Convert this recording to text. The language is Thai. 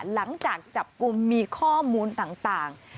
หลังจากจับกลุ่มมีข้อมูลต่าง